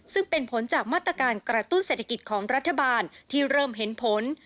ซึ่งเป็นผลจากมาตรการกระตุ้นเศรษฐกิจของรัฐบาลที่เริ่มเห็นผล